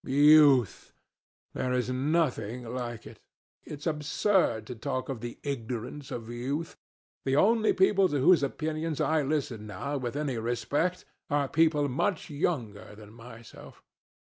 Youth! There is nothing like it. It's absurd to talk of the ignorance of youth. The only people to whose opinions I listen now with any respect are people much younger than myself.